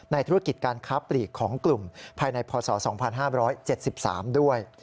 ธุรกิจการค้าปลีกของกลุ่มภายในพศ๒๕๗๓ด้วย